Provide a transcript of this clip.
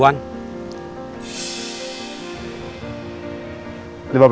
mantap pak rp lima belas an